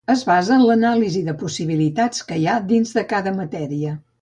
Es basa en l'anàlisi de les possibilitats que hi ha dins de cada matèria.